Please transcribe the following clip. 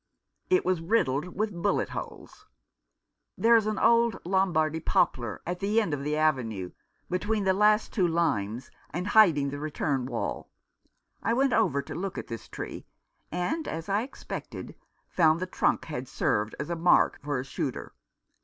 It was riddled with bullet holes. There is an old Lombardy poplar at the end of the avenue, between the last two 271 Rough Justice. limes, and hiding the return wall. I went over to look at this tree, and, as I expected, found the trunk had served as a mark for a shooter.